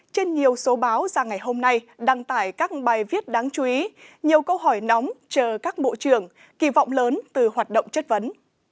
trên nhiều số báo ra ngày hôm nay đăng tải các bài viết đáng chú ý nhiều câu hỏi nóng chờ các bộ trưởng kỳ vọng lớn từ hoạt động chất vấn